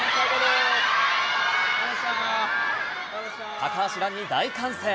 高橋藍に大歓声。